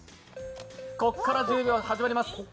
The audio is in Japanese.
ここから１０秒始まります。